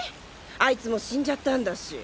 アイツも死んじゃったんだし。